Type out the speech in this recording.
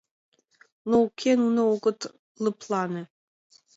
Но уке, нуно огыт лыплане.